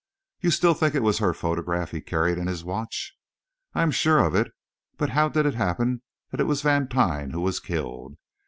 "You still think it was her photograph he carried in his watch?" "I am sure of it. But how did it happen that it was Vantine who was killed?